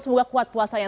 semoga kuat puasanya